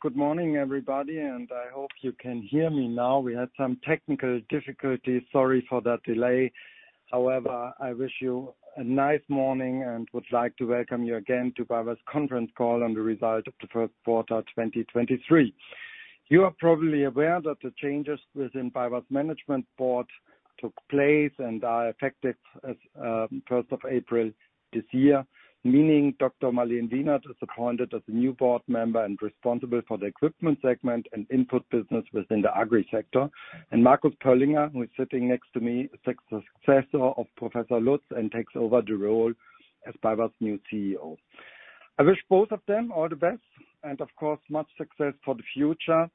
Good morning, everybody, and I hope you can hear me now. We had some technical difficulties. Sorry for that delay. I wish you a nice morning and would like to welcome you again to BayWa's conference call on the results of the first quarter, 2023. You are probably aware that the changes within BayWa's management board took place and are effective as 1st of April this year, meaning Dr. Marlen Wienert is appointed as a new board member and responsible for the equipment segment and input business within the agri sector. Marcus Pöllinger, who is sitting next to me, takes the successor of Professor Lutz and takes over the role as BayWa's new CEO. I wish both of them all the best and of course, much success for the future.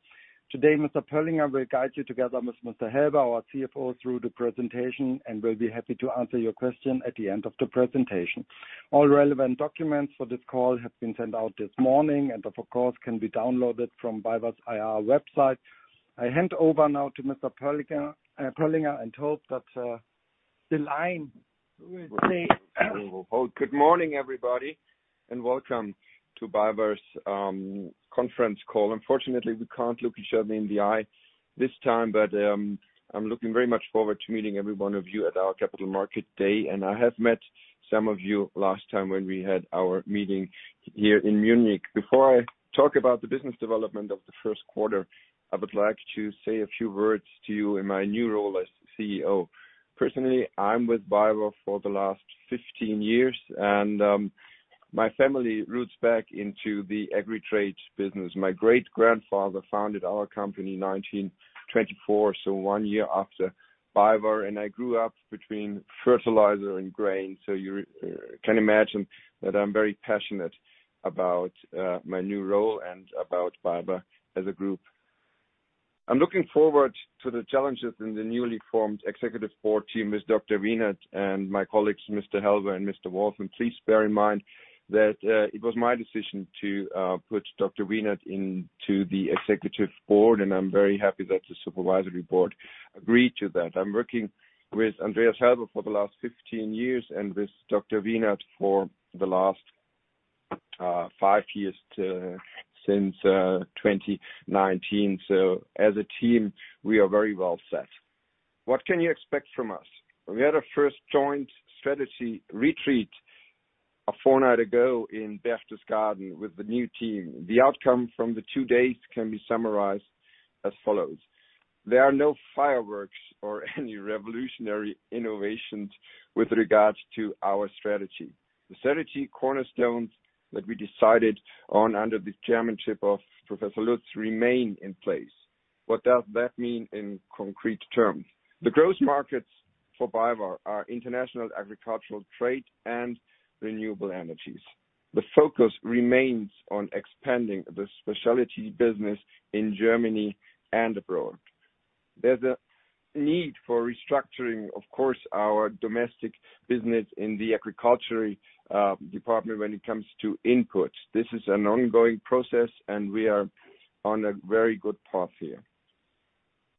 Today, Mr. Pöllinger will guide you together with Mr. Helber, our CFO, through the presentation, and we'll be happy to answer your question at the end of the presentation. All relevant documents for this call have been sent out this morning and of course can be downloaded from BayWa's IR website. I hand over now to Mr. Pöllinger, and hope that the line will stay. Good morning, everybody, and welcome to BayWa's conference call. Unfortunately, we can't look each other in the eye this time, but I'm looking very much forward to meeting every one of you at our Capital Market Day. I have met some of you last time when we had our meeting here in Munich. Before I talk about the business development of the first quarter, I would like to say a few words to you in my new role as CEO. Personally, I'm with BayWa for the last 15 years and my family roots back into the agri trade business. My great-grandfather founded our company in 1924, so one year after BayWa, and I grew up between fertilizer and grain. You can imagine that I'm very passionate about my new role and about BayWa Group. I'm looking forward to the challenges in the newly formed executive board team with Dr. Wienert and my colleagues, Mr. Helber and Mr. Wolf. Please bear in mind that it was my decision to put Dr. Wienert into the executive board, and I'm very happy that the supervisory board agreed to that. I'm working with Andreas Helber for the last 15 years and with Dr. Wienert for the last five years since 2019. As a team, we are very well set. What can you expect from us? We had our first joint strategy retreat a fortnight ago in Berchtesgaden with the new team. The outcome from the two days can be summarized as follows: There are no fireworks or any revolutionary innovations with regards to our strategy. The strategy cornerstones that we decided on under the chairmanship of Professor Lutz remain in place. What does that mean in concrete terms? The growth markets for BayWa are international agricultural trade and renewable energies. The focus remains on expanding the specialty business in Germany and abroad. There's a need for restructuring, of course, our domestic business in the agricultural department when it comes to inputs. This is an ongoing process. We are on a very good path here.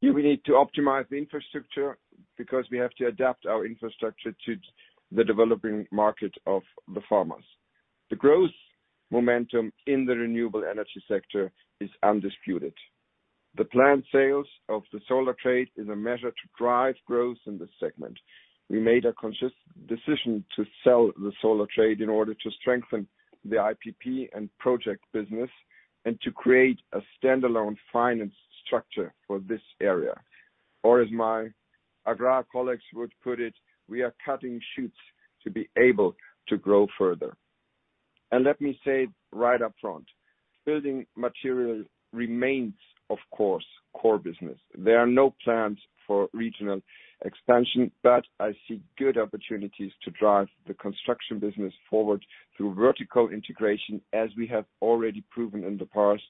We need to optimize the infrastructure because we have to adapt our infrastructure to the developing market of the farmers. The growth momentum in the renewable energy sector is undisputed. The planned sales of the Solar Trade is a measure to drive growth in this segment. We made a conscious decision to sell the Solar Trade in order to strengthen the IPP and project business and to create a standalone finance structure for this area. As my Agra colleagues would put it, we are cutting shoots to be able to grow further. Let me say right up front, Building Material remains, of course, core business. There are no plans for regional expansion, but I see good opportunities to drive the construction business forward through vertical integration, as we have already proven in the past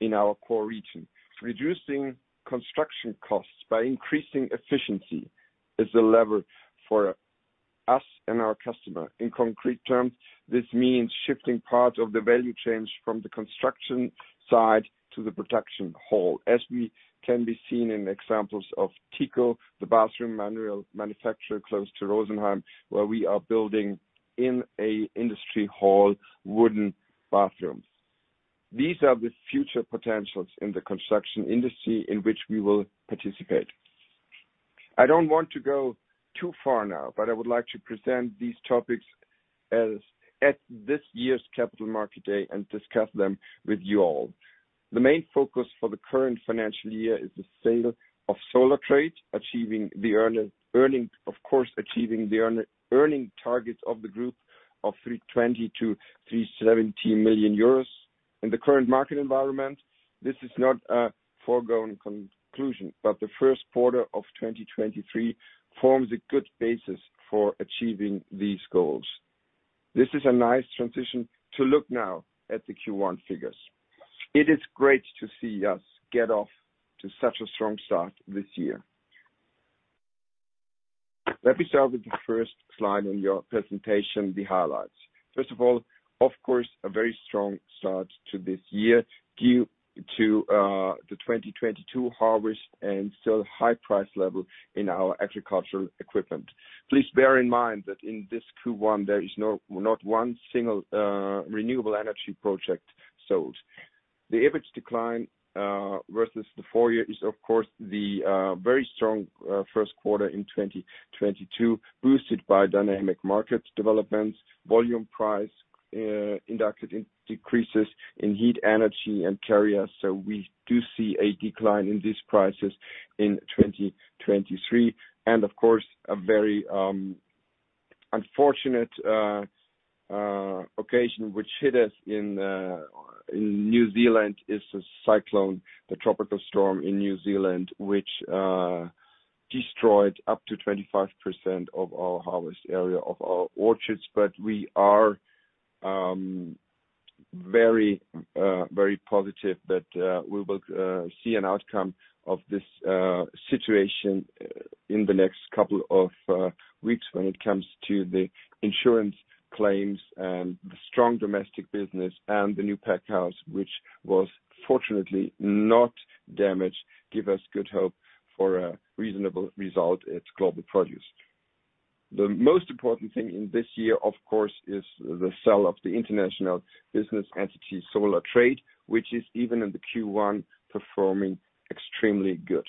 in our core region. Reducing construction costs by increasing efficiency is a lever for us and our customer. In concrete terms, this means shifting part of the value chains from the construction side to the protection hall. As we can be seen in examples of Tjiko, the bathroom manual manufacturer close to Rosenheim, where we are building in a industry hall, wooden bathrooms. These are the future potentials in the construction industry in which we will participate. I don't want to go too far now, but I would like to present these topics as at this year's Capital Market Day and discuss them with you all. The main focus for the current financial year is the sale of Solar Trade, of course, achieving the earning targets of the group of 320 million-370 million euros. In the current market environment, this is not a foregone conclusion, but the first quarter of 2023 forms a good basis for achieving these goals. This is a nice transition to look now at the Q1 figures. It is great to see us get off to such a strong start this year. Let me start with the first slide in your presentation, the highlights. First of all, of course, a very strong start to this year due to the 2022 harvest and still high price level in our agricultural equipment. Please bear in mind that in this Q1, there is not one single renewable energy project sold. The EBIT decline versus the four year is of course the very strong first quarter in 2022, boosted by dynamic market developments, volume price indexes decreases in heat energy and carriers. We do see a decline in these prices in 2023. Of course, a very unfortunate occasion which hit us in New Zealand, is a cyclone, the tropical storm in New Zealand, which destroyed up to 25% of our harvest area of our orchards. We are very positive that we will see an outcome of this situation in the next couple of weeks when it comes to the insurance claims and the strong domestic business and the new pack house, which was fortunately not damaged, give us good hope for a reasonable result at Global Produce. The most important thing in this year, of course, is the sale of the international business entity Solar Trade, which is even in the Q1 performing extremely good.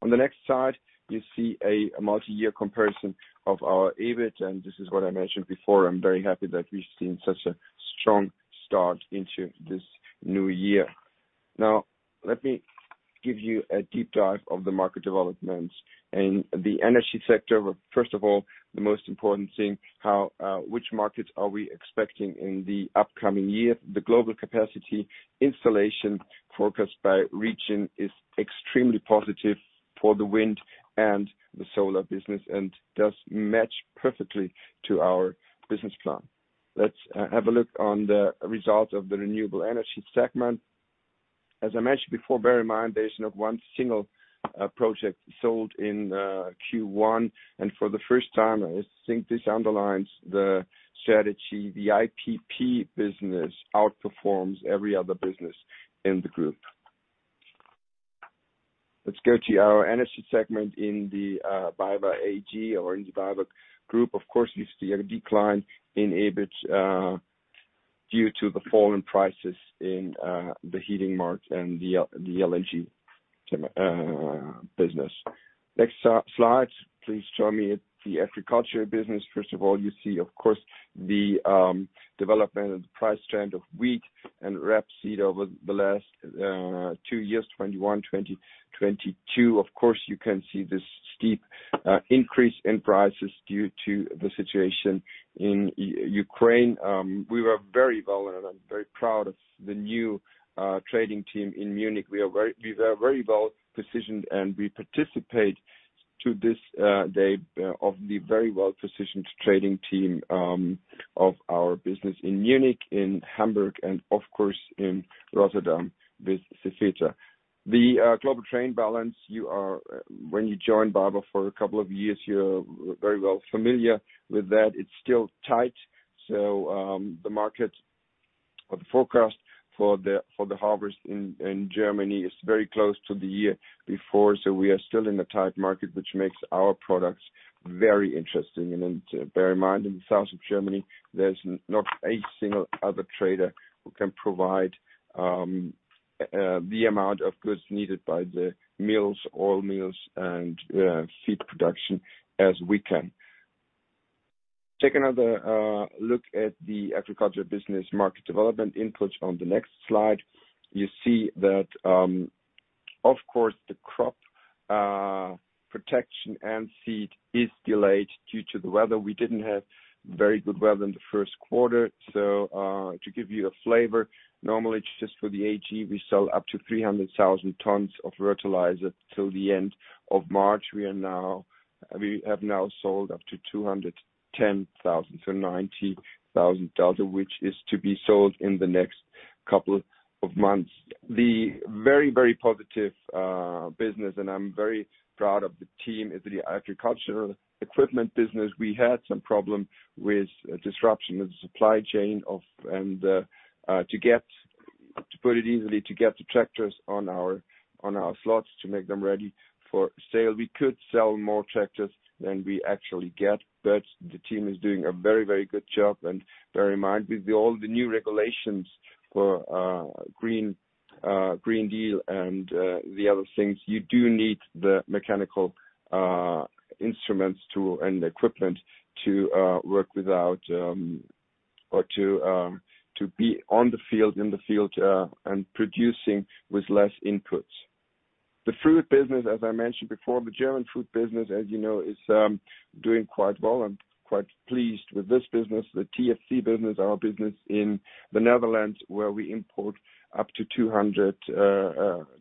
On the next slide, you see a multi-year comparison of our EBIT, and this is what I mentioned before. I'm very happy that we've seen such a strong start into this new year. Let me give you a deep dive of the market developments in the energy sector. First of all, the most important thing, how which markets are we expecting in the upcoming year. The global capacity installation forecast by region is extremely positive for the wind and the solar business, and does match perfectly to our business plan. Let's have a look on the results of the renewable energy segment. As I mentioned before, bear in mind, there is not one single project sold in Q1. For the first time, I think this underlines the strategy. The IPP business outperforms every other business in the group. Let's go to our energy segment in the BayWa AG or in BayWa Group. Of course, you see a decline in EBIT due to the fall in prices in the heating market and the LNG business. Next slide, please show me the agriculture business. First of all, you see, of course, the development and price trend of wheat and rapeseed over the last two years, 2021, 2022. Of course, you can see this steep increase in prices due to the situation in Ukraine. We were very vulnerable and very proud of the new trading team in Munich. We were very well-positioned, and we participate to this day of the very well-positioned trading team of our business in Munich, in Hamburg, and of course, in Rotterdam with Cefetra. The global trade balance, when you join BayWa for a couple of years, you're very well familiar with that. It's still tight. The market or the forecast for the harvest in Germany is very close to the year before. We are still in a tight market, which makes our products very interesting. Bear in mind, in the south of Germany, there's not a single other trader who can provide the amount of goods needed by the mills, oil mills and seed production as we can. Take another look at the agriculture business market development inputs on the next slide. You see that, of course, the crop protection and seed is delayed due to the weather. We didn't have very good weather in the first quarter. To give you a flavor, normally it's just for the AG, we sell up to 300,000 tons of fertilizer till the end of March. We have now sold up to 210,000 to 90,000 tons, which is to be sold in the next couple of months. The very, very positive business, and I'm very proud of the team, is the agricultural equipment business. We had some problem with disruption of the supply chain To put it easily, to get the tractors on our, on our slots to make them ready for sale. We could sell more tractors than we actually get, but the team is doing a very, very good job. Bear in mind, with the all the new regulations for Green Deal and the other things, you do need the mechanical instruments and equipment to work without or to be on the field, in the field and producing with less inputs. The fruit business, as I mentioned before, the German fruit business, as you know, is doing quite well. I'm quite pleased with this business. The TFC business, our business in the Netherlands, where we import up to 200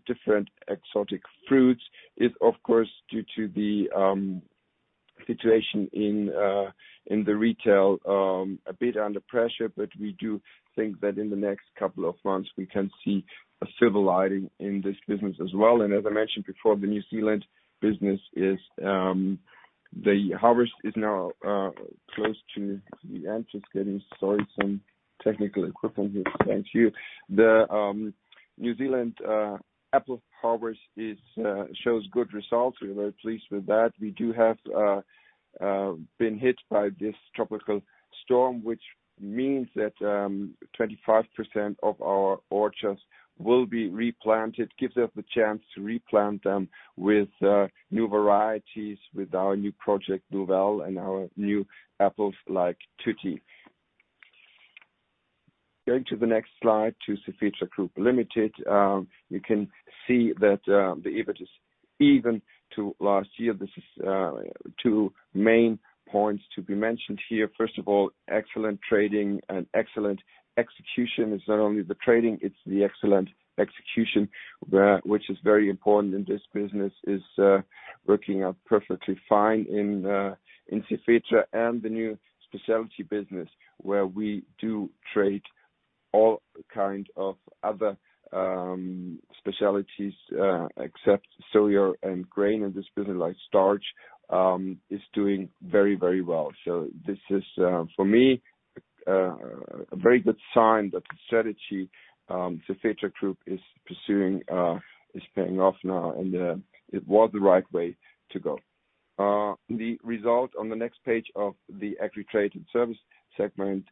different exotic fruits, is of course, due to the situation in the retail a bit under pressure. But we do think that in the next couple of months we can see a silver lining in this business as well As I mentioned before, the New Zealand business is, the harvest is now close to the end. Just getting sorry, some technical equipment here. Thank you. New Zealand apple harvest shows good results. We are very pleased with that. We do have been hit by this tropical storm, which means that 25% of our orchards will be replanted. Gives us the chance to replant them with new varieties, with our new project, Nouvel, and our new apples, like Tutti. Going to the next slide to Tefitra Group Limited. You can see that the EBIT is even to last year. This is two main points to be mentioned here. First of all, excellent trading and excellent execution. It's not only the trading, it's the excellent execution, which is very important in this business, is working out perfectly fine in Tefitra and the new specialty business where we do trade all kinds of other specialties, except soy and grain. This business, like starch, is doing very, very well. This is, for me, a very good sign that the strategy, Tefitra Group is pursuing, is paying off now, and, it was the right way to go. The result on the next page of the agri trade and service segment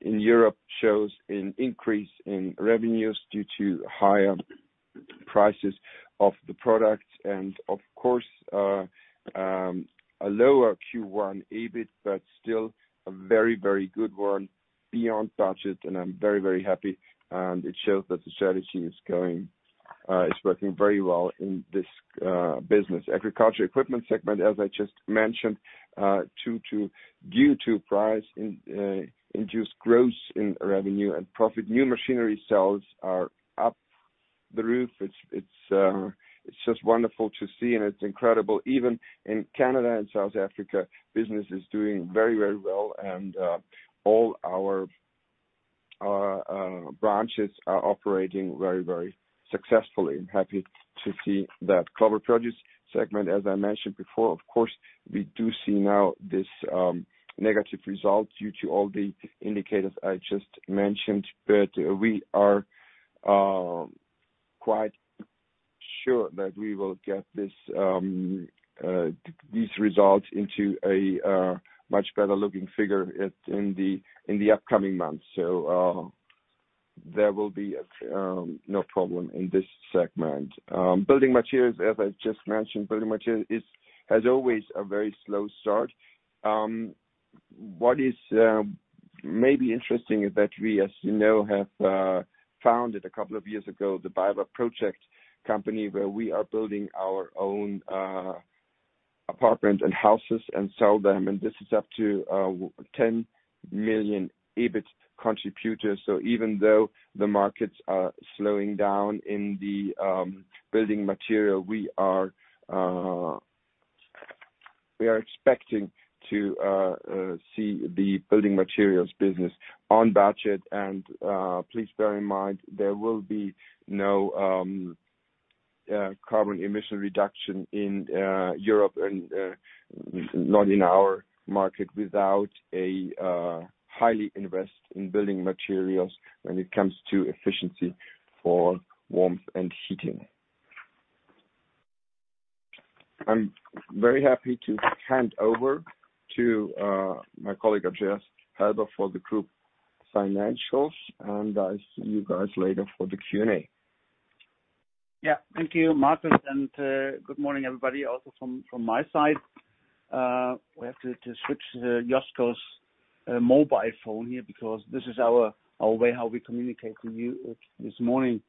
in Europe shows an increase in revenues due to higher prices of the products and of course, a lower Q1 EBIT, but still a very, very good one beyond budget. I'm very, very happy, and it shows that the strategy is working very well in this business. Agriculture equipment segment, as I just mentioned, due to price induced growth in revenue and profit. New machinery sales are up the roof. It's just wonderful to see, and it's incredible. Even in Canada and South Africa, business is doing very, very well. All our branches are operating very, very successfully. Happy to see that Global Produce segment. As I mentioned before, of course, we do see now this negative result due to all the indicators I just mentioned. We are quite sure that we will get this these results into a much better looking figure in the upcoming months. There will be no problem in this segment. Building materials, as I just mentioned, building materials is as always a very slow start. What is maybe interesting is that we, as you know, have founded a couple of years ago, the BayWa Bau Projekt company, where we are building our own apartments and houses and sell them. This is up to 10 million EBIT contributors. Even though the markets are slowing down in the building material, we are expecting to see the building materials business on budget. Please bear in mind there will be no carbon emission reduction in Europe and not in our market without a highly invest in building materials when it comes to efficiency for warmth and heating. I'm very happy to hand over to my colleague Andreas Helber for the group financials, and I see you guys later for the Q&A. Yeah. Thank you, Markus. Good morning, everybody also from my side. We have to switch Josko's mobile phone here because this is our way how we communicate with you this morning.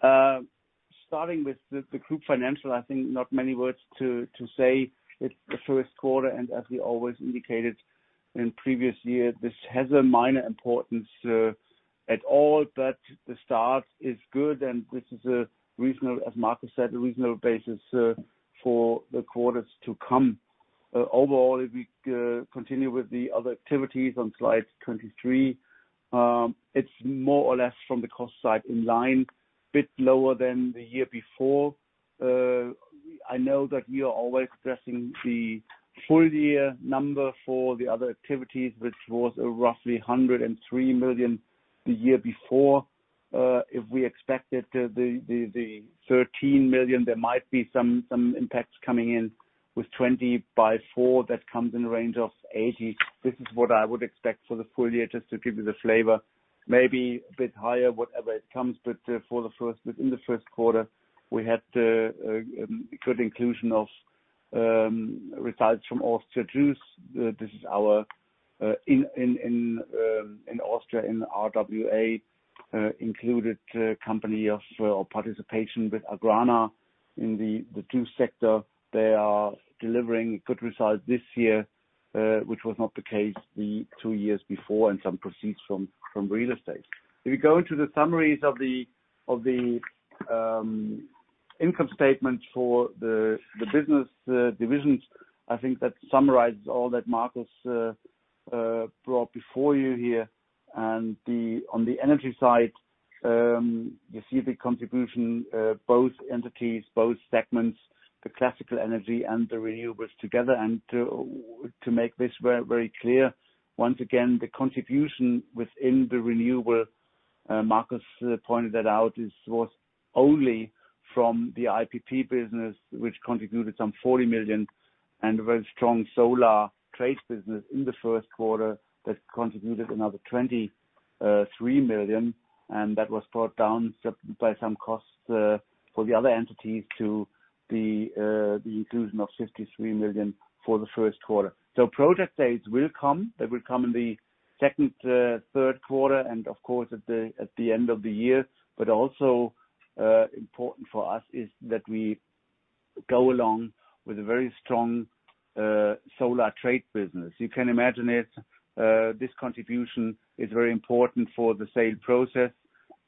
Starting with the group financial, I think not many words to say. It's the first quarter. As we always indicated in previous years, this has a minor importance at all. The start is good, and this is a reasonable, as Markus said, a reasonable basis for the quarters to come. Overall, if we continue with the other activities on slide 23, it's more or less from the cost side in line, bit lower than the year before. I know that you are always addressing the full year number for the other activities, which was roughly 103 million the year before. If we expected the 13 million, there might be some impacts coming in with 2024. That comes in a range of 80 million. This is what I would expect for the full year, just to give you the flavor. Maybe a bit higher, whatever it comes. Within the first quarter, we had good inclusion of results from Austria Juice. This is our in Austria, in RWA, included company of participation with Agrana in the two sector. They are delivering good results this year, which was not the case the two years before, and some proceeds from real estate. If you go into the summaries of the income statement for the business, the divisions, I think that summarizes all that Marcus brought before you here. On the energy side, you see the contribution, both entities, both segments. The classical energy and the renewables together. To make this very, very clear, once again, the contribution within the renewable, Marcus pointed that out, was only from the IPP business, which contributed some 40 million and a very strong Solar Trade business in the first quarter that contributed another 23 million, and that was brought down by some costs for the other entities to the inclusion of 53 million for the first quarter. Project sales will come. They will come in the second, third quarter and of course, at the end of the year. Also, important for us is that we go along with a very strong Solar Trade business. You can imagine it, this contribution is very important for the sale process.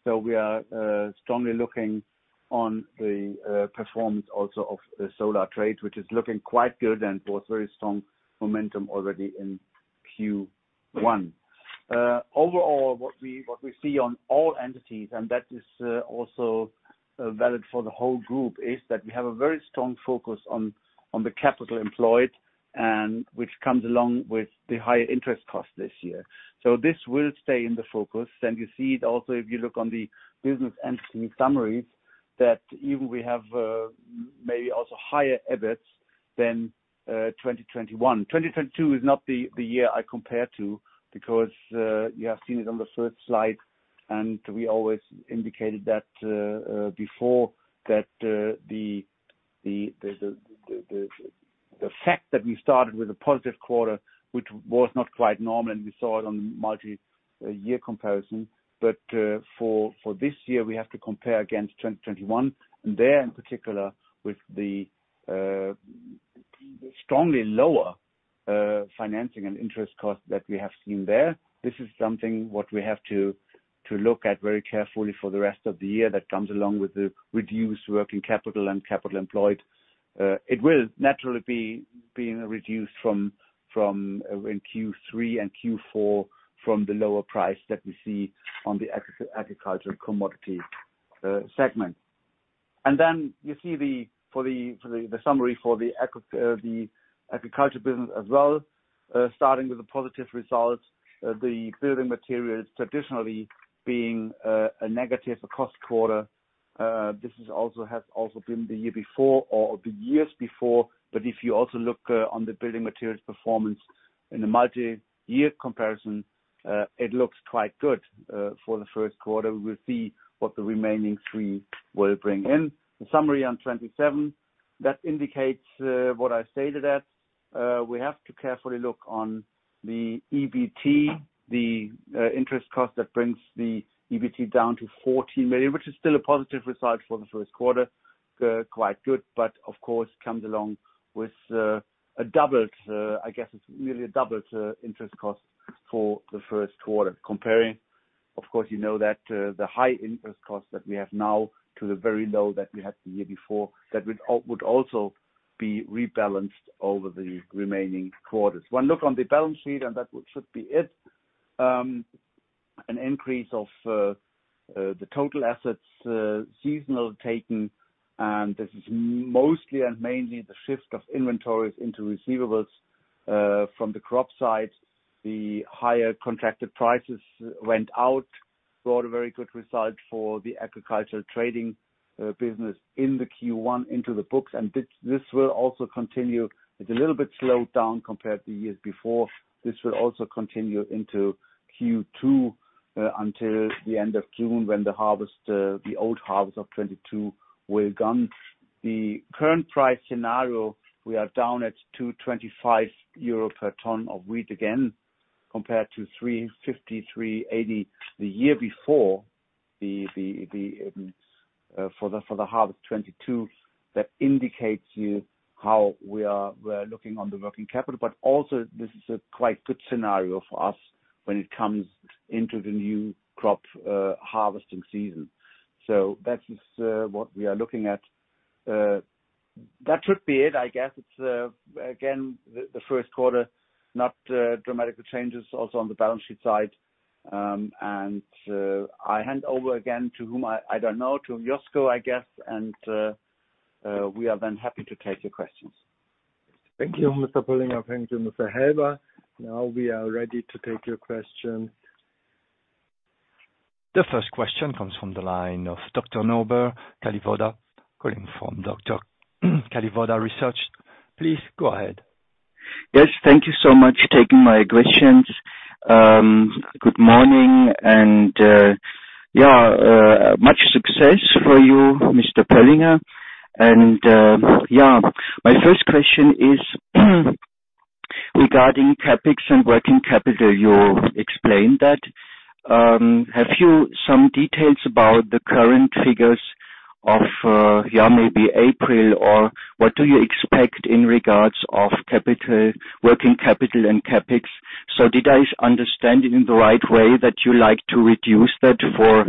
We are strongly looking on the performance also of the Solar Trade, which is looking quite good and was very strong momentum already in Q1. Overall, what we see on all entities, and that is also valid for the whole group, is that we have a very strong focus on the capital employed and which comes along with the higher interest cost this year. This will stay in the focus. You see it also, if you look on the business entity summaries, that even we have, maybe also higher EBITDAs than 2021. 2022 is not the year I compare to because you have seen it on the first slide, and we always indicated that before that, the fact that we started with a positive quarter, which was not quite normal, and we saw it on multi-year comparison. For this year, we have to compare against 2021, and there in particular with the strongly lower financing and interest costs that we have seen there. This is something what we have to look at very carefully for the rest of the year that comes along with the reduced working capital and capital employed. It will naturally be, being reduced from in Q3 and Q4 from the lower price that we see on the agri-agricultural commodity segment. You see the summary for the agri, the agriculture business as well, starting with the positive results, the building materials traditionally being a negative cost quarter. This has also been the year before or the years before. If you also look on the building materials performance in a multi-year comparison, it looks quite good for the first quarter. We will see what the remaining three will bring in. The summary on 27, that indicates what I stated at. We have to carefully look on the EBT, the interest cost that brings the EBT down to 14 million, which is still a positive result for the first quarter. Quite good, but of course, comes along with a doubled, I guess it's really a doubled interest cost for the first quarter. Comparing, of course, you know that the high interest costs that we have now to the very low that we had the year before, that would also be rebalanced over the remaining quarters. One look on the balance sheet, and that should be it. An increase of the total assets, seasonal taken, and this is mostly and mainly the shift of inventories into receivables from the crop side. The higher contracted prices went out, brought a very good result for the agricultural trading business in the Q1 into the books, this will also continue. It's a little bit slowed down compared to years before. This will also continue into Q2 until the end of June when the harvest, the old harvest of 22 will gone. The current price scenario, we are down at 225 euro per ton of wheat again, compared to 350- 380 the year before. The for the harvest 22, that indicates you how we are, we're looking on the working capital, also this is a quite good scenario for us when it comes into the new crop harvesting season. That is what we are looking at. That should be it, I guess. It's, again, the first quarter, not dramatic changes also on the balance sheet side. I hand over again to whom I don't know, to Josko, I guess. We are then happy to take your questions. Thank you, Mr. Pöllinger. Thank you, Mr. Helber. Now we are ready to take your question. The first question comes from the line of Dr. Norbert Kalliwoda, calling from Dr. Kalliwoda Research. Please go ahead. Yes. Thank you so much taking my questions. Good morning, yeah, much success for you, Mr. Pöllinger. Yeah. My first question is regarding CapEx and working capital. You explained that. Have you some details about the current figures of yeah, maybe April, or what do you expect in regards of capital, working capital and CapEx? Did I understand it in the right way that you like to reduce that for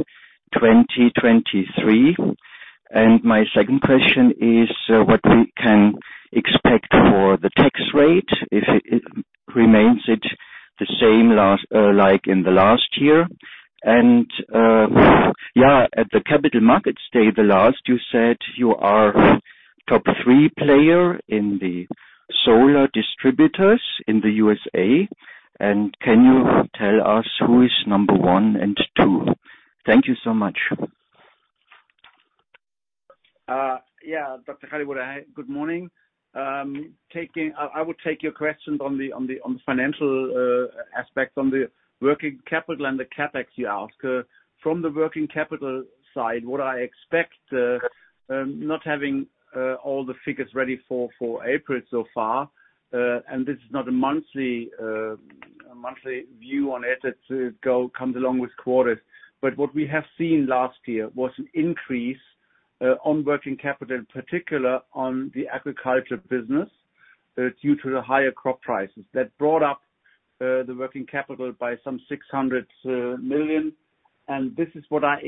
2023? My second question is the tax rate, if it remains it the same last, like in the last year. Yeah, at the capital markets day, the last you said you are top three player in the solar distributors in the USA. Can you tell us who is number one and two? Thank you so much. Yeah. Dr. Kalliwoda, good morning. I will take your question on the financial aspect from the working capital and the CapEx you ask. From the working capital side, what I expect, not having all the figures ready for April so far, and this is not a monthly view on it comes along with quarters. What we have seen last year was an increase on working capital, in particular on the agriculture business, due to the higher crop prices. That brought up the working capital by some 600 million. This is what I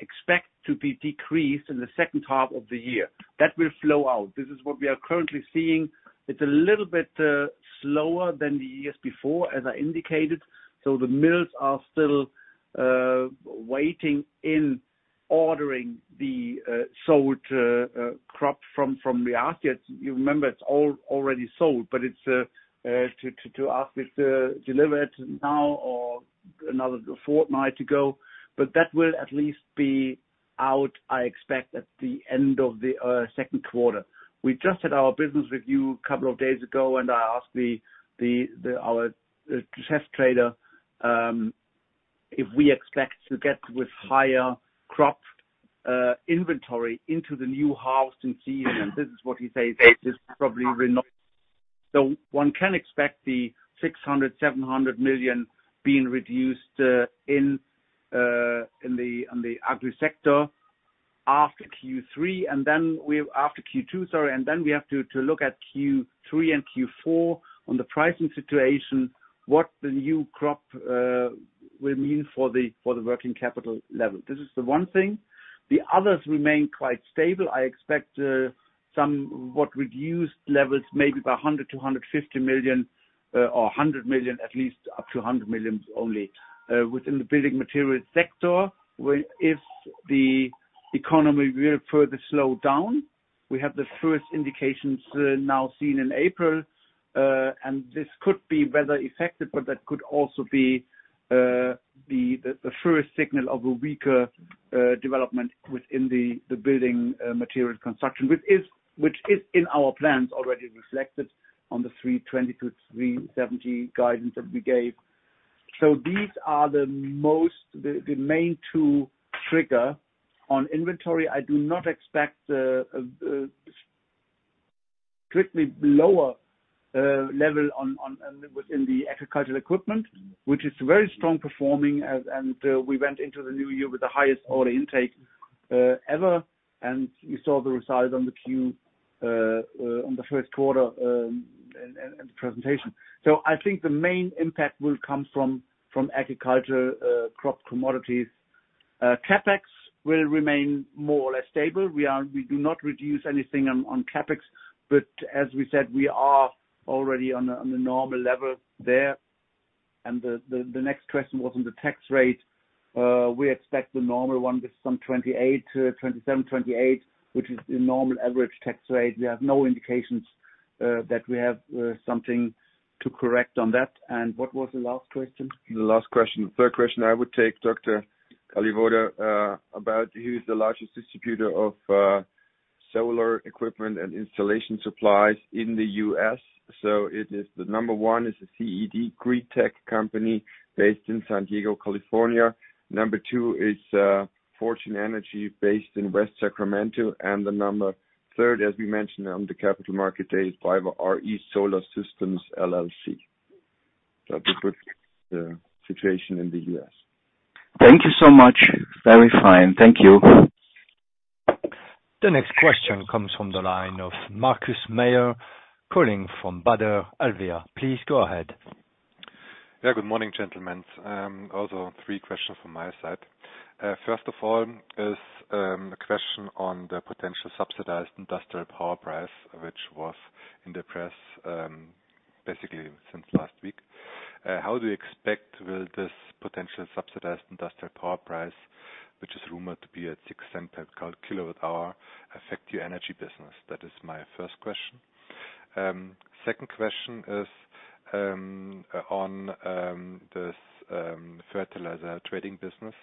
expect to be decreased in the second half of the year. That will flow out. This is what we are currently seeing. It's a little bit slower than the years before, as I indicated. The mills are still waiting in ordering the sold crop from the outlets. You remember it's already sold, but it's to ask if delivered now or another fortnight to go. That will at least be out, I expect, at the end of the second quarter. We just had our business review a couple of days ago, I asked the our chess trader if we expect to get with higher crop inventory into the new harvest and season. This is what he says. This is probably not. One can expect 600 million-700 million being reduced in the on the agri sector after Q3. After Q2, sorry. We have to look at Q3 and Q4 on the pricing situation, what the new crop will mean for the working capital level. This is the one thing. The others remain quite stable. I expect somewhat reduced levels, maybe by 100 million-150 million, or 100 million, at least up to 100 million only, within the building materials sector. Where if the economy will further slow down, we have the first indications now seen in April, and this could be weather affected, but that could also be the first signal of a weaker development within the building material construction, which is in our plans already reflected on the 320 million-370 million guidance that we gave. These are the most, the main two trigger. On inventory, I do not expect strictly lower level within the agricultural equipment, which is very strong performing and we went into the new year with the highest order intake ever. You saw the results on the Q on the first quarter in the presentation. I think the main impact will come from agriculture crop commodities. CapEx will remain more or less stable. We do not reduce anything on CapEx, but as we said, we are already on a normal level there. The next question was on the tax rate. We expect the normal one with some 27%-28%, which is the normal average tax rate. We have no indications that we have something to correct on that. What was the last question? The last question. Third question I would take, Dr. Kalliwoda, about who is the largest distributor of solar equipment and installation supplies in the U.S. It is the number one is the CED Greentech Company based in San Diego, California. Number two is Fortune Energy based in West Sacramento. The number third, as we mentioned on the capital market day, is BayWa r.e. Solar Systems LLC. That will put the situation in the U.S. Thank you so much. Very fine. Thank you. The next question comes from the line of Markus Mayer, calling from Baader-Helvea. Please go ahead. Yeah, good morning, gentlemen. Also three questions from my side. First of all is a question on the potential subsidized industrial power price, which was in the press basically since last week. How do you expect will this potential subsidized industrial power price, which is rumored to be at 0.6 per kWh, affect your energy business? That is my first question. Second question is on this fertilizer trading business.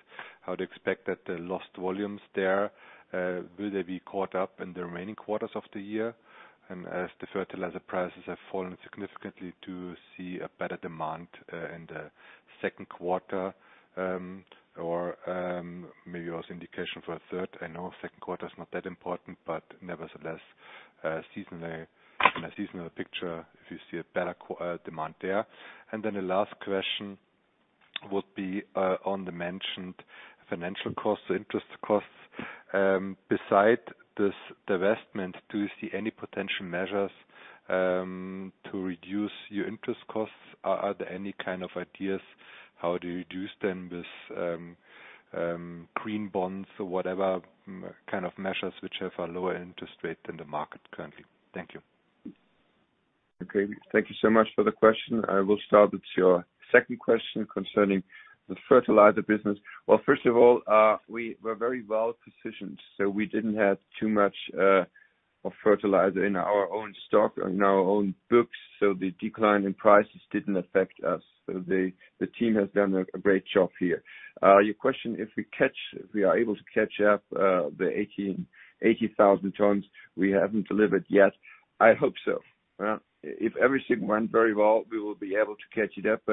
How do you expect that the lost volumes there, will they be caught up in the remaining quarters of the year? As the fertilizer prices have fallen significantly to see a better demand in the second quarter, or maybe also indication for a third. I know second quarter is not that important, but nevertheless, seasonally, in a seasonal picture, if you see a better demand there. The last question would be on the mentioned financial costs, interest costs. Beside this divestment, do you see any potential measures to reduce your interest costs? Are there any kind of ideas how to reduce them with green bonds or whatever kind of measures which have a lower interest rate than the market currently? Thank you. Okay, thank you so much for the question. I will start with your second question concerning the fertilizer business. First of all, we were very well positioned, we didn't have too much of fertilizer in our own stock, in our own books, the decline in prices didn't affect us. The team has done a great job here. Your question, if we are able to catch up the 80,000 tons we haven't delivered yet, I hope so. If everything went very well, we will be able to catch it up,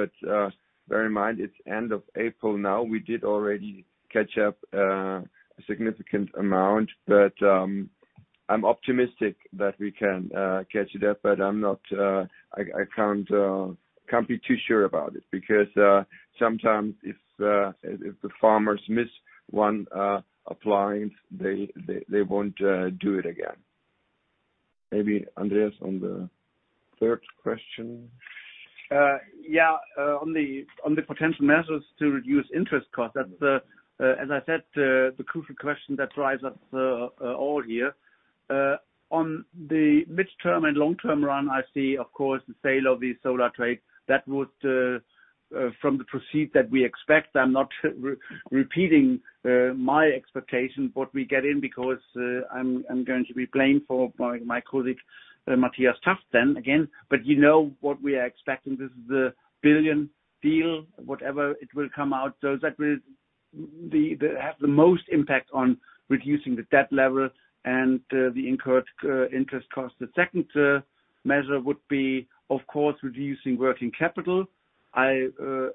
bear in mind, it's end of April now. We did already catch up a significant amount. I'm optimistic that we can catch it up, I'm not. I can't be too sure about it because, sometimes if the farmers miss one, applying, they won't do it again. Maybe Andreas on the third question. Yeah. On the potential measures to reduce interest costs, that's as I said, the crucial question that drives us all here. On the midterm and long-term run, I see, of course, the sale of the Solar Trade. That would from the proceeds that we expect, I'm not repeating my expectation, what we get in because I'm going to be blamed for by my colleague, Matthias Taft then again. You know what we are expecting. This is a 1 billion deal, whatever it will come out. That will have the most impact on reducing the debt level and the incurred interest cost. The second measure would be, of course, reducing working capital. I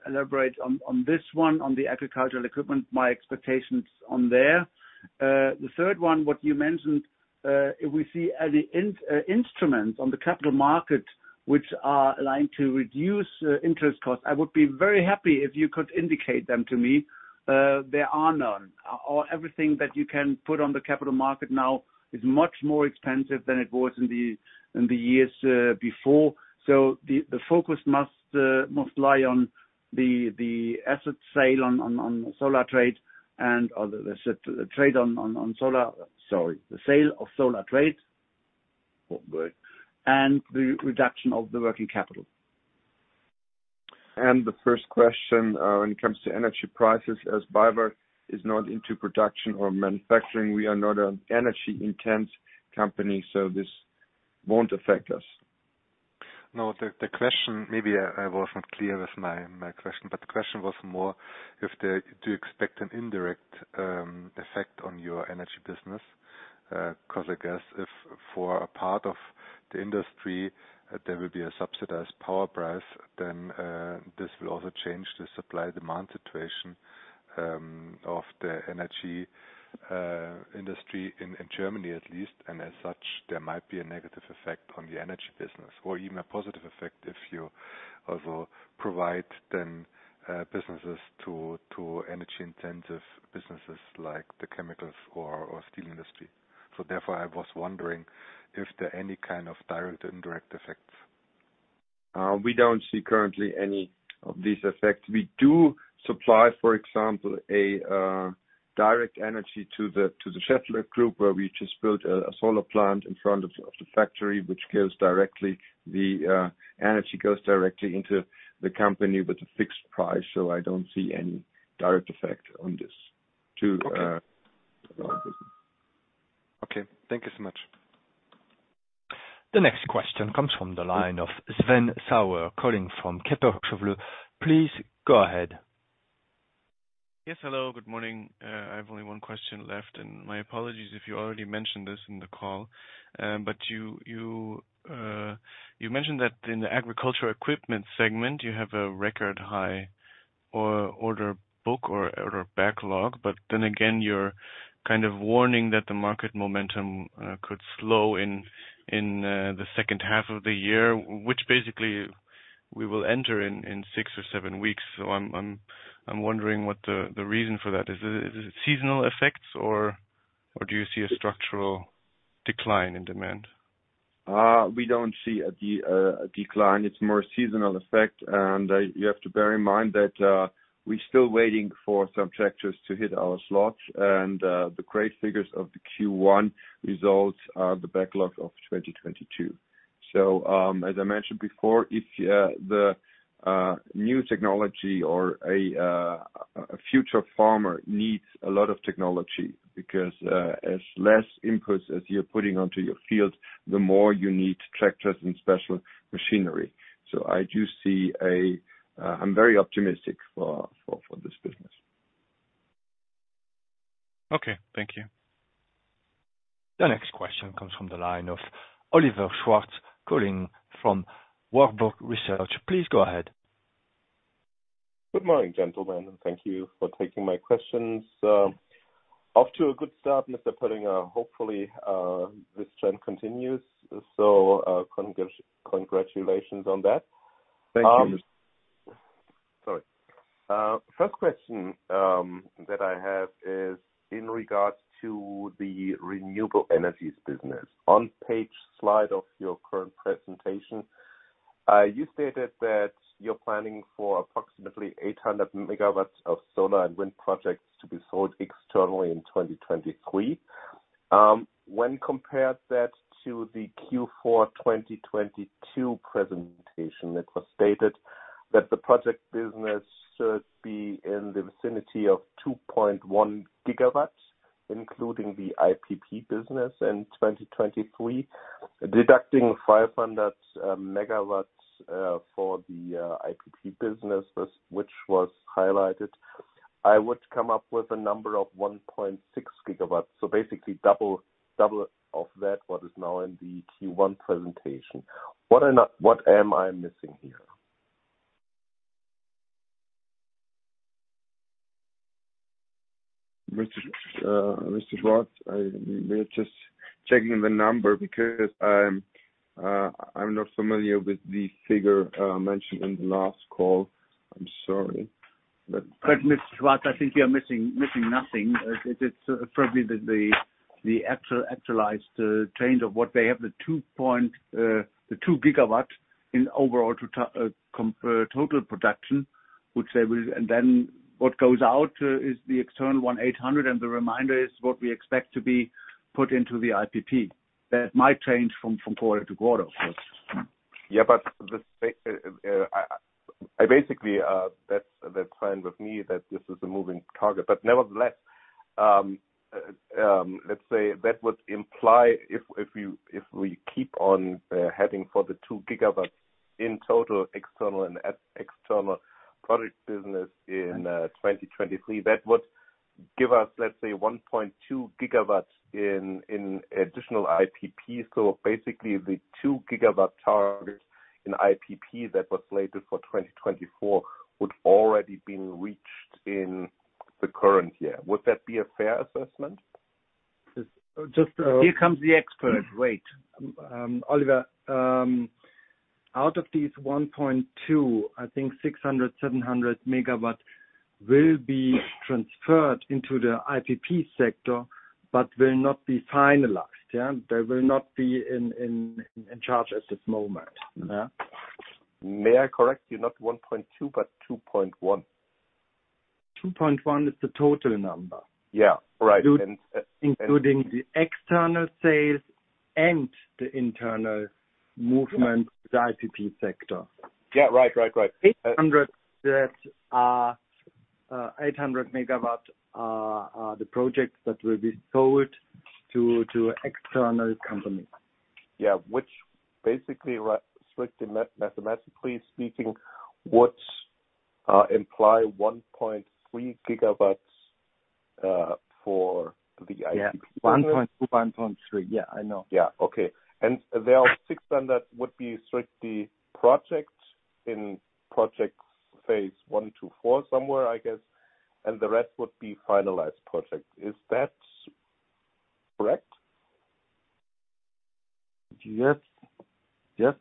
elaborate on this one, on the agricultural equipment, my expectations on there. The third one, what you mentioned, if we see any instruments on the capital market which are aligned to reduce interest costs, I would be very happy if you could indicate them to me. There are none. Everything that you can put on the capital market now is much more expensive than it was in the years before. The focus must lie on the asset sale on Solar Trade and other, let's say, Sorry. The sale of Solar Trade. Oh, boy. And the reduction of the working capital. The first question, when it comes to energy prices, as BayWa is not into production or manufacturing, we are not an energy intense company, so this won't affect us. No, the question maybe I wasn't clear with my question. The question was more if do you expect an indirect effect on your energy business? 'Cause I guess if for a part of the industry there will be a subsidized power price, this will also change the supply-demand situation of the energy industry in Germany at least. As such, there might be a negative effect on the energy business or even a positive effect if you also provide then businesses to energy-intensive businesses like the chemicals or steel industry. Therefore, I was wondering if there are any kind of direct or indirect effects. We don't see currently any of these effects. We do supply, for example, a direct energy to the Schaeffler Group, where we just built a solar plant in front of the factory, which goes directly. The energy goes directly into the company with a fixed price. I don't see any direct effect on this. Okay. our business. Okay, thank you so much. The next question comes from the line of Sven Sauer, calling from Kepler Cheuvreux. Please go ahead. Yes, hello. Good morning. I have only one question left, and my apologies if you already mentioned this in the call. You mentioned that in the agricultural equipment segment, you have a record high order book or order backlog. Then again, you're kind of warning that the market momentum could slow in the second half of the year, which basically we will enter in six or seven weeks. I'm wondering what the reason for that. Is it seasonal effects or do you see a structural decline in demand? We don't see a decline. It's more seasonal effect. You have to bear in mind that we're still waiting for some tractors to hit our slots and the great figures of the Q1 results are the backlog of 2022. As I mentioned before, if the new technology or a future farmer needs a lot of technology because as less inputs as you're putting onto your field, the more you need tractors and special machinery. I'm very optimistic for this business. Okay, thank you. The next question comes from the line of Oliver Schwarz, calling from Warburg Research. Please go ahead. Good morning, gentlemen, and thank you for taking my questions. Off to a good start, Mr. Pöllinger. Hopefully, this trend continues. Congratulations on that. Thank you. Sorry. First question that I have is in regards to the renewable energies business. On page slide of your current presentation, you stated that you're planning for approximately 800 megawatts of solar and wind projects to be sold externally in 2023. When compared that to the Q4 2022 presentation, it was stated that the project business should be in the vicinity of 2.1 gigawatts, including the IPP business in 2023, deducting 500 megawatts for the IPP business, which was highlighted. I would come up with a number of 1.6 gigawatts, so basically double of that what is now in the Q1 presentation. What am I missing here? Mr. Schwarz, we're just checking the number because I'm not familiar with the figure mentioned in the last call. I'm sorry. Mr. Schwartz, I think you're missing nothing. It is probably the actual, actualized change of what they have, the 2 gigawatts in overall to total production, which they will... What goes out is the external 1,800, and the remainder is what we expect to be put into the IPP. That might change from quarter to quarter, of course. Yeah, but the state, I basically, that's the plan with me, that this is a moving target. Nevertheless, let's say that would imply if you, if we keep on heading for the 2 gigawatts in total external and external product business in 2023, that would give us, let's say, 1.2 gigawatts in additional IPP. Basically the 2 gigawatt target in IPP that was slated for 2024 would already been reached in the current year. Would that be a fair assessment? Just Here comes the expert. Wait. Oliver, out of these 1.2, I think 600, 700 megawatt will be transferred into the IPP sector but will not be finalized. Yeah. They will not be in charge at this moment. Yeah. May I correct you, not 1.2, but 2.1. 2.1 is the total number. Yeah. Right. Including the external sales and the internal movement, the IPP sector. Yeah. Right. Right. Right. 800 that are, 800 MW are the projects that will be sold to external companies. Yeah. Which basically strictly mathematically speaking, would imply 1.3 gigawatts for the IPP. Yeah. 1.3. Yeah, I know. Yeah. Okay. There are six then that would be strictly projects in projects phase one to four somewhere, I guess, and the rest would be finalized projects. Is that correct? Yes. Yes.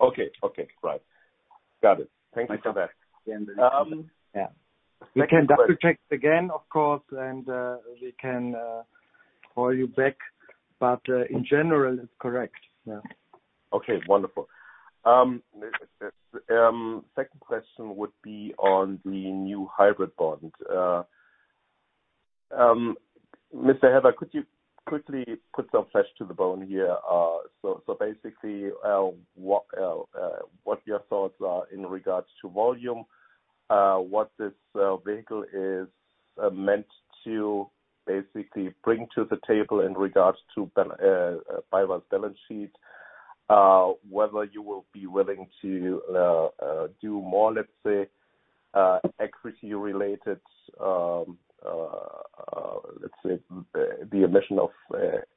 Okay. Okay. Right. Got it. Thank you for that. Yeah. We can double-check again, of course, and we can call you back, but in general, it's correct. Yeah. Okay. Wonderful. second question would be on the new hybrid bond. Mr. Helber, could you quickly put some flesh to the bone here? Basically, what your thoughts are in regards to volume, what this vehicle is meant to basically bring to the table in regards to BayWa's balance sheet, whether you will be willing to do more, let's say, equity related, let's say the emission of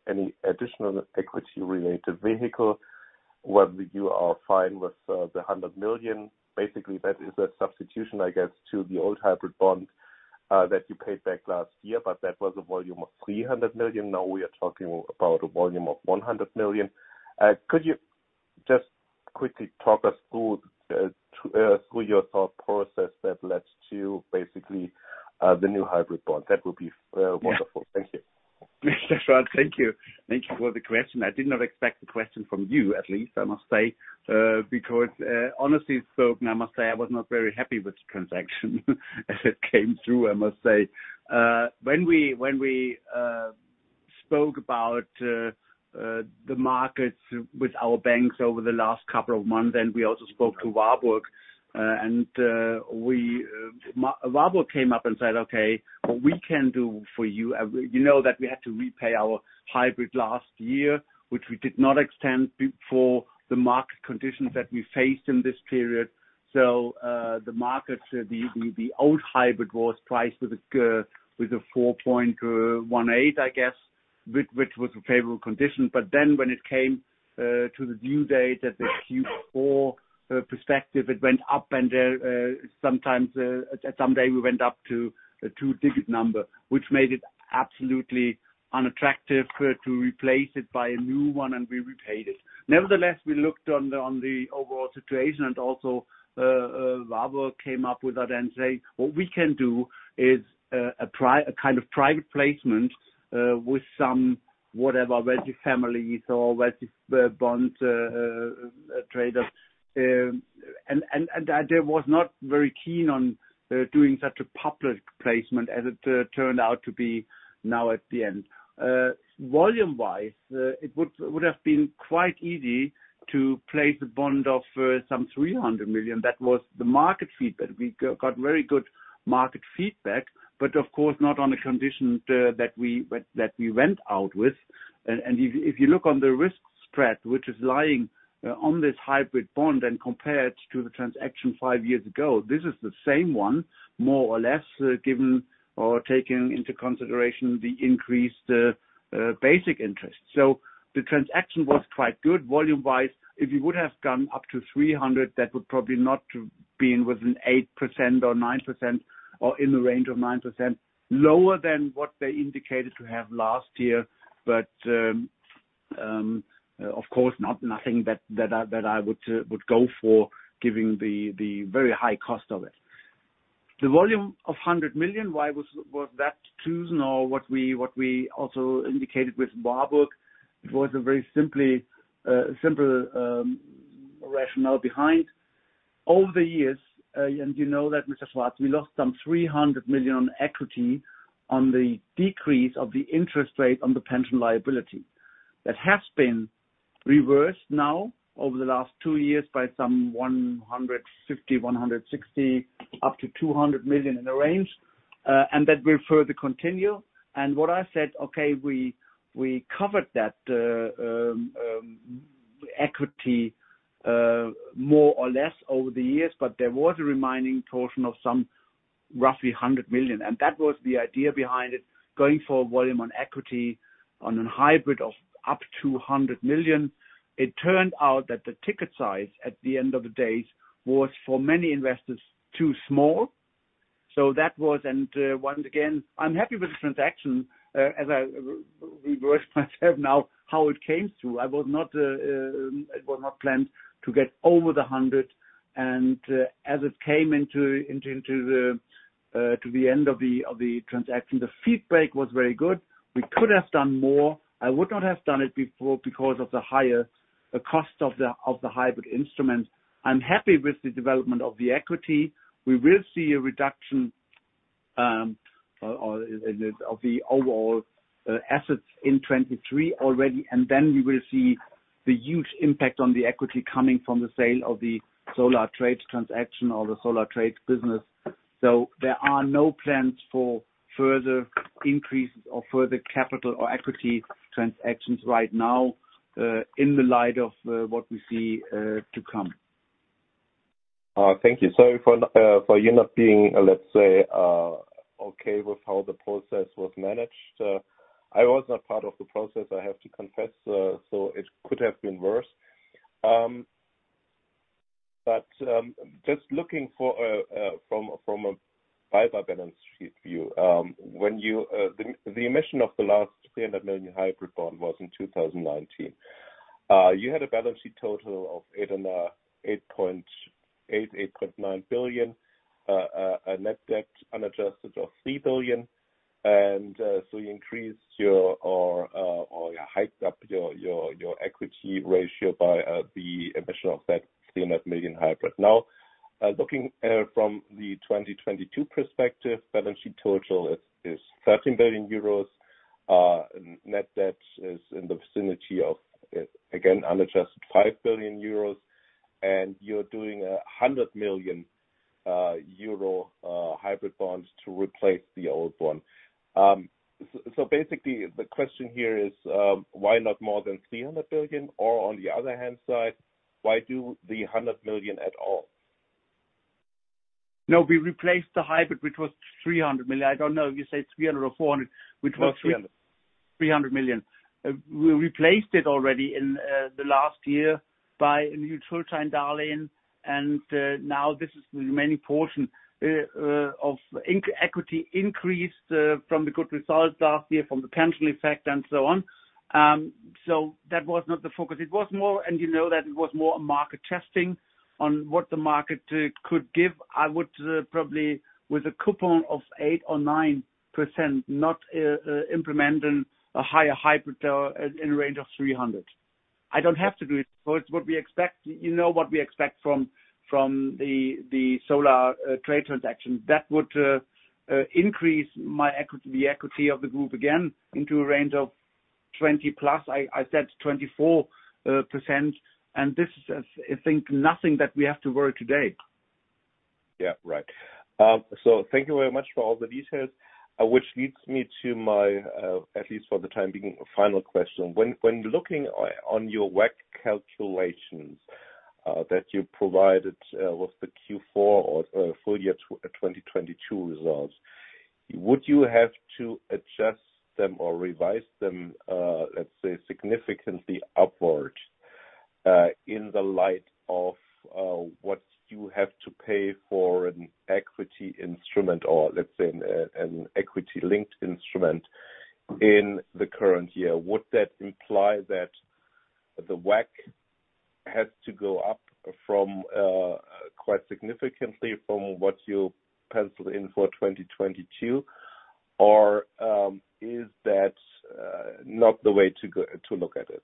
any additional equity related vehicle, whether you are fine with the 100 million. Basically, that is a substitution, I guess, to the old hybrid bond that you paid back last year, but that was a volume of 300 million. Now we are talking about a volume of 100 million. Could you just quickly talk us through your thought process that led to basically, the new hybrid bond? That would be wonderful. Thank you. Mr. Schwarz, thank you. Thank you for the question. I did not expect the question from you, at least, I must say, because honestly spoken, I must say I was not very happy with the transaction as it came through, I must say. When we spoke about the markets with our banks over the last couple of months, and we also spoke to Warburg, and we Warburg came up and said, "Okay, what we can do for you..." We know that we had to repay our hybrid last year, which we did not extend for the market conditions that we faced in this period. The markets, the old hybrid was priced with a 4.18, I guess. Which was a favorable condition. When it came to the due date at the Q4 perspective, it went up and there sometimes some day we went up to a two-digit number, which made it absolutely unattractive for to replace it by a new one, and we repaid it. Nevertheless, we looked on the overall situation and also Warburg came up with that and say, "What we can do is a kind of private placement with some, whatever, wealthy families or wealthy bonds traders." And I was not very keen on doing such a public placement as it turned out to be now at the end. Volume-wise, it would have been quite easy to place a bond of 300 million. That was the market feedback. We got very good market feedback, but of course not on the conditions that we went out with. If you look on the risk spread, which is lying on this hybrid bond and compared to the transactionfive years ago, this is the same one, more or less, given or taken into consideration the increased basic interest. The transaction was quite good volume-wise. If you would have gone up to 300, that would probably not been within 8% or 9% or in the range of 9%, lower than what they indicated to have last year. Of course not nothing that I would go for giving the very high cost of it. The volume of 100 million, why was that chosen or what we also indicated with Warburg Research was a very simply simple rationale behind. Over the years, and you know that Mr. Schwarz, we lost some 300 million on equity on the decrease of the interest rate on the pension liability. That has been reversed now over the last two years by some 150 million-160 million, up to 200 million in the range, and that will further continue. What I said, okay, we covered that equity more or less over the years, but there was a remaining portion of some roughly 100 million, that was the idea behind it, going for volume on equity on a hybrid of up to 100 million. It turned out that the ticket size at the end of the day was for many investors too small. That was. Once again, I'm happy with the transaction, as I reverse myself now, how it came through. I was not, it was not planned to get over the 100 and, as it came into the end of the transaction, the feedback was very good. We could have done more. I would not have done it before because of the higher cost of the hybrid instrument. I'm happy with the development of the equity. We will see a reduction, or of the overall assets in 2023 already, and then we will see the huge impact on the equity coming from the sale of the Solar Trade transaction or the Solar Trade business. There are no plans for further increases or further capital or equity transactions right now, in the light of what we see to come. Thank you. Sorry for you not being, let's say, okay with how the process was managed. I was not part of the process, I have to confess, so it could have been worse. Just looking for, from a, from a fiber balance sheet view, when you, the emission of the last 300 million hybrid bond was in 2019. You had a balance sheet total of 8 and, 8.8, 8.9 billion, a net debt unadjusted of 3 billion. You increased your or you hyped up your, your equity ratio by, the emission of that 300 million hybrid. Looking, from the 2022 perspective, balance sheet total is 13 billion euros. net debt is in the vicinity of, again unadjusted 5 billion euros. You're doing 100 million euro hybrid bonds to replace the old one. Basically the question here is, why not more than 300 billion? On the other hand side, why do the 100 million at all? No, we replaced the hybrid, which was 300 million. I don't know if you said 300 or 400, which was- 300. 300 million. We replaced it already in the last year by a new short-term darling. Now this is the remaining portion of equity increase from the good results last year from the pension effect and so on. That was not the focus. It was more, you know, that it was more a market testing on what the market could give. I would probably with a coupon of 8% or 9%, not implementing a higher hybrid in a range of 300. I don't have to do it. It's what we expect. You know what we expect from the Solar Trade transaction. That would increase my equity, the equity of the group again into a range of 20% plus. I said 24%. This is, I think, nothing that we have to worry today. Yeah. Right. Thank you very much for all the details, which leads me to my, at least for the time being, final question. When looking on your WACC calculations, that you provided with the Q4 or full year 2022 results. Would you have to adjust them or revise them, let's say significantly upward, in the light of what you have to pay for an equity instrument or let's say an equity linked instrument in the current year? Would that imply that the WACC has to go up from quite significantly from what you penciled in for 2022? Or is that not the way to look at it?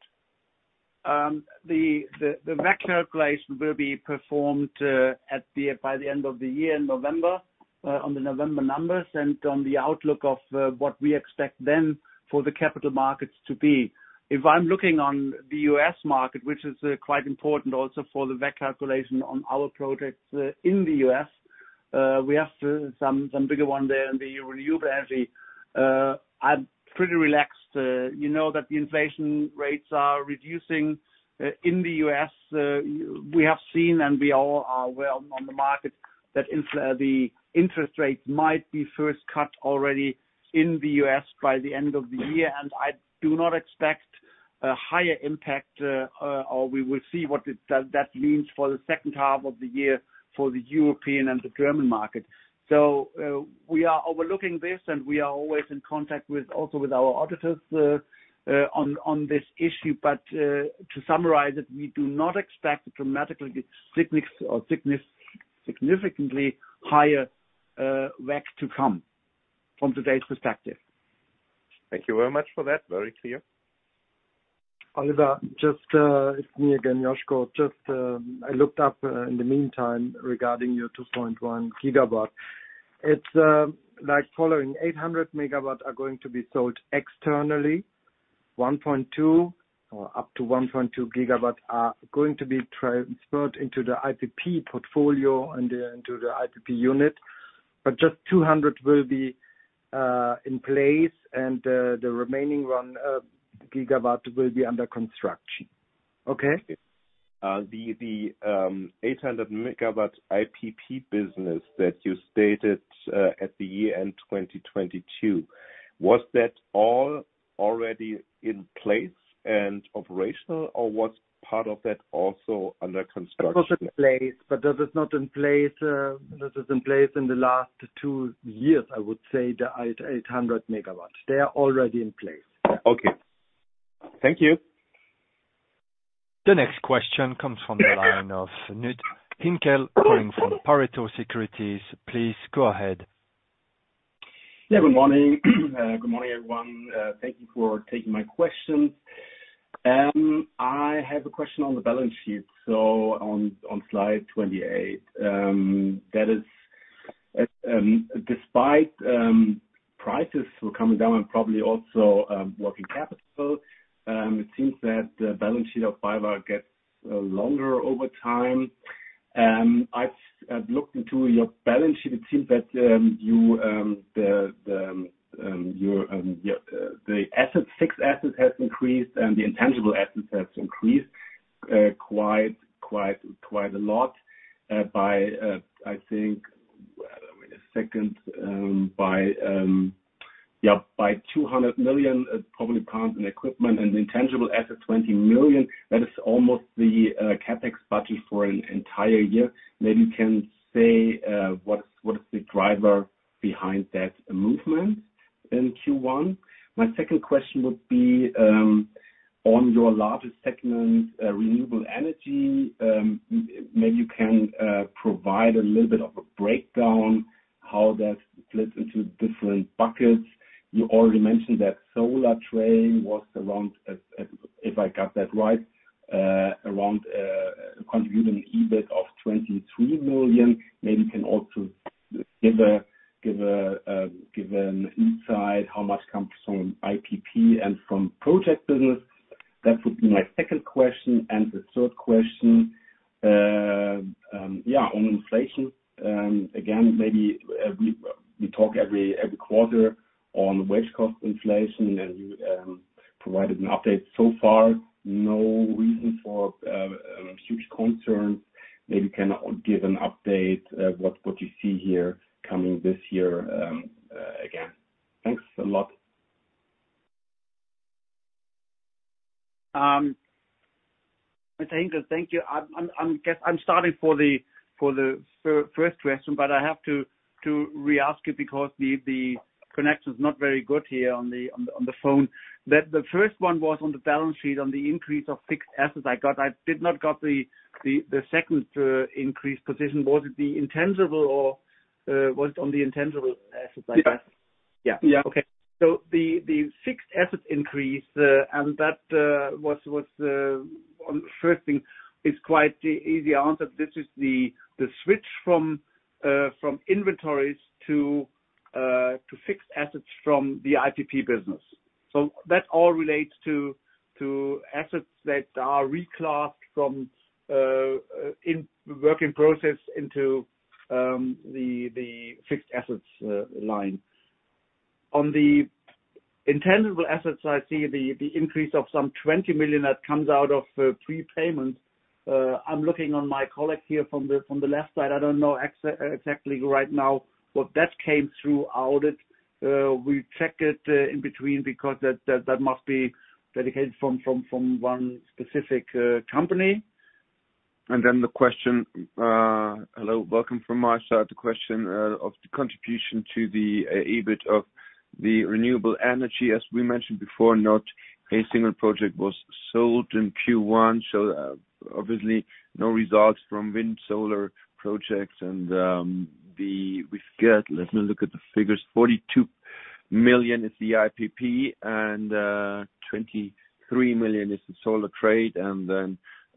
The WACC calculation will be performed by the end of the year in November on the November numbers and on the outlook of what we expect then for the capital markets to be. If I'm looking on the U.S. market, which is quite important also for the WACC calculation on our projects in the U.S., we have some bigger one there in the renewable energy. I'm pretty relaxed, you know that the inflation rates are reducing in the U.S. We have seen, and we all are well on the market, that the interest rates might be first cut already in the U.S. by the end of the year. I do not expect a higher impact, or we will see what that means for the second half of the year for the European and the German market. We are overlooking this, and we are always in contact with, also with our auditors, on this issue. To summarize it, we do not expect a significantly higher WACC to come from today's perspective. Thank you very much for that. Very clear. Oliver, it's me again, Josko. Just, I looked up in the meantime regarding your 2.1 gigawatt. It's like following 800 megawatt are going to be sold externally. 1.2 or up to 1.2 gigawatt are going to be transferred into the IPP portfolio and into the IPP unit. Just 200 will be in place, and the remaining 1 gigawatt will be under construction. Okay. The 800 megawatt IPP business that you stated, at the year-end 2022, was that all already in place and operational, or was part of that also under construction? That was in place, but that is not in place, this is in place in the last two years, I would say, the 800 megawatt. They are already in place. Okay. Thank you. The next question comes from the line of Knut Henkel calling from Pareto Securities. Please go ahead. Good morning. Good morning, everyone. Thank you for taking my questions. I have a question on the balance sheet, on slide 28. That is, despite prices coming down and probably also working capital, it seems that the balance sheet of BayWa gets longer over time. I've looked into your balance sheet. It seems that the assets, fixed assets has increased, and the intangible assets has increased quite a lot, by 200 million EUR in equipment and intangible assets, 20 million EUR. That is almost the CapEx budget for an entire year. Maybe you can say, what is the driver behind that movement in Q1? My second question would be on your largest segment, renewable energy. Maybe you can provide a little bit of a breakdown, how that splits into different buckets. You already mentioned that Solar Trade was around, if I got that right, contributing EBIT of 23 million. Maybe you can also give an insight how much comes from IPP and from project business. That would be my second question. The third question, on inflation, again, maybe we talk every quarter on wage cost inflation, and you provided an update so far, no reason for huge concern. Maybe you can give an update what you see here coming this year again. Thanks a lot. Thank you. I'm guessing for the first question, but I have to re-ask it because the connection is not very good here on the phone. The first one was on the balance sheet, on the increase of fixed assets. I did not got the second increase position. Was it the intangible or was it on the intangible assets I got? Yeah. Okay. The fixed asset increase and that was on the first thing is quite the easy answer. This is the switch from inventories to fixed assets from the IPP business. That all relates to assets that are reclassed from in work in process into the fixed assets line. On the intangible assets, I see the increase of some 20 million that comes out of prepayment. I'm looking on my colleague here from the left side. I don't know exactly right now what that came through audit. We check it in between because that must be dedicated from one specific company. The question, hello, welcome from my side. The question of the contribution to the EBIT of the renewable energy. As we mentioned before, not a single project was sold in Q1, so obviously no results from wind solar projects. We've got, let me look at the figures. 42 million is the IPP and 23 million is the Solar Trade.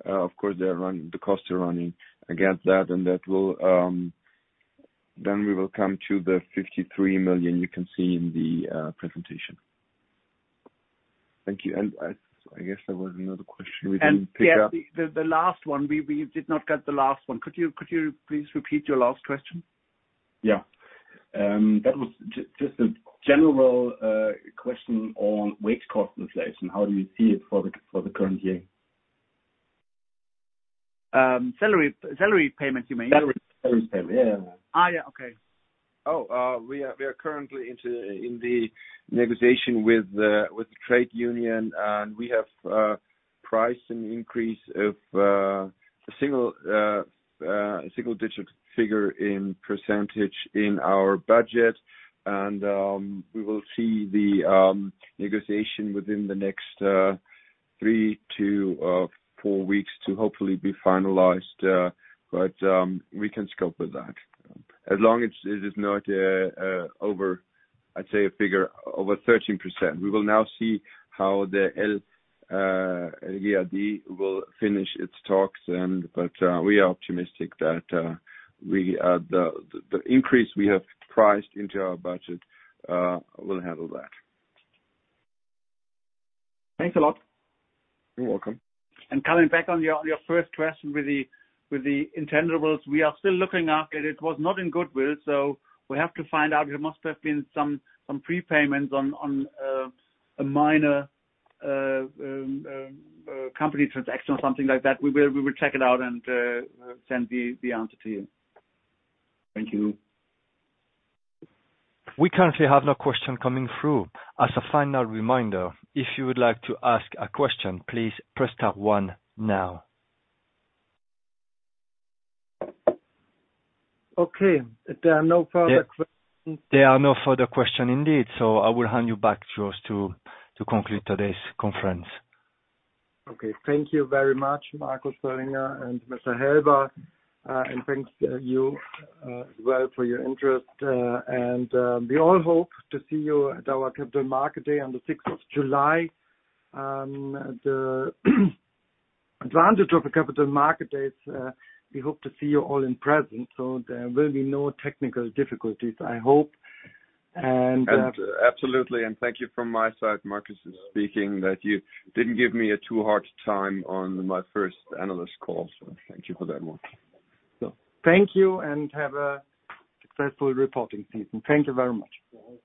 Of course, the costs are running against that, and that will... We will come to the 53 million you can see in the presentation. Thank you. I guess there was another question we didn't pick up. Yeah, the last one. We did not get the last one. Could you please repeat your last question? Yeah. That was just a general question on wage cost inflation. How do you see it for the current year? Salary payment, you mean? Salary, salary payment. Yeah. Yeah. Okay. We are currently in the negotiation with the trade union, and we have priced an increase of a single-digit figure in % in our budget. We will see the negotiation within the next three to four weeks to hopefully be finalized. We can scope with that. As long as it is not over, I'd say, a figure over 13%. We will now see how the LVRD will finish its talks. We are optimistic that the increase we have priced into our budget will handle that. Thanks a lot. You're welcome. Coming back on your first question with the intangibles, we are still looking at it. It was not in goodwill. We have to find out. There must have been some prepayments on a minor company transaction or something like that. We will check it out and send the answer to you. Thank you. We currently have no question coming through. As a final reminder, if you would like to ask a question, please press star one now. Okay. If there are no further questions. There are no further question indeed, so I will hand you back, Josko, to conclude today's conference. Okay. Thank you very much, Marcus Pöllinger and Mr. Helber. Thanks, you as well, for your interest. We all hope to see you at our Capital Market Day on the sixth of July. The advantage of the Capital Market Days, we hope to see you all in present, so there will be no technical difficulties, I hope. Absolutely, and thank you from my side, Marcus is speaking, that you didn't give me a too hard time on my first analyst call. Thank you for that one. Thank you, and have a successful reporting season. Thank you very much.